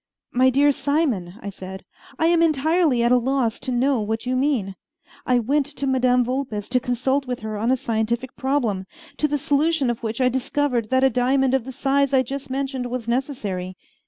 "My dear Simon," I said, "I am entirely at a loss to know what you mean. I went to Madame Vulpes to consult with her on a scientific problem, to the solution of which I discovered that a diamond of the size I just mentioned was necessary.